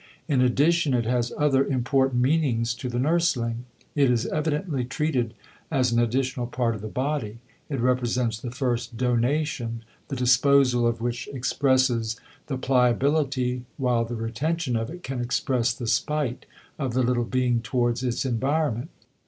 In addition it has other important meanings to the nursling. It is evidently treated as an additional part of the body, it represents the first "donation," the disposal of which expresses the pliability while the retention of it can express the spite of the little being towards its environment.